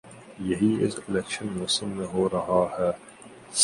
یہی اس الیکشن موسم میں ہو رہا ہے۔